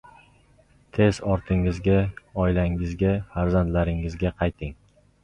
tez ortingizga…Oilangizga…Farzandlaringizga qayting.